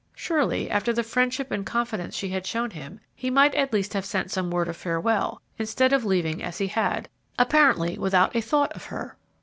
Surely, after the friendship and confidence she had shown him, he might at least have sent some word of farewell, instead of leaving as he had, apparently without a thought of her.